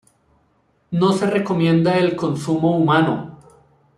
No se recomienda el consumo humano.